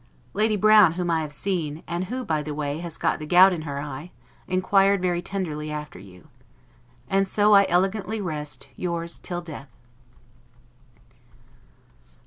Lady Brown, whom I have seen, and who, by the way, has got the gout in her eye, inquired very tenderly after you. And so I elegantly rest, Yours, till death.